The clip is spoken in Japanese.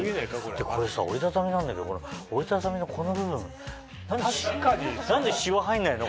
これ折りたたみなんだけど折りたたみのこの部分何でシワ入んないの？